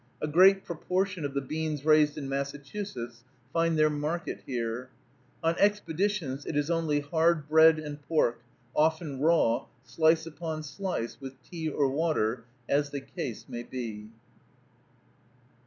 A great proportion of the beans raised in Massachusetts find their market here. On expeditions it is only hard bread and pork, often raw, slice upon slice, with tea or water, as the case may be.